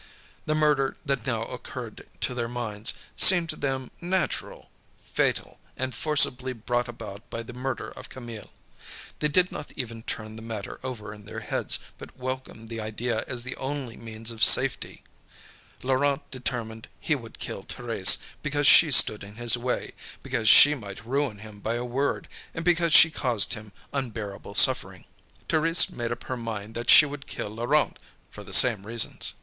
The murder that now occurred to their minds, seemed to them natural, fatal and forcibly brought about by the murder of Camille. They did not even turn the matter over in their heads but welcomed the idea as the only means of safety. Laurent determined he would kill Thérèse because she stood in his way, because she might ruin him by a word, and because she caused him unbearable suffering. Thérèse made up her mind that she would kill Laurent, for the same reasons.